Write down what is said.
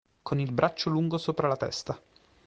Con il braccio lungo sopra la testa.